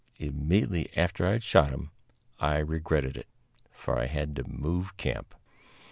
Immediately after I had shot him I regretted it, for I had to move camp.